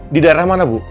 di daerah mana bu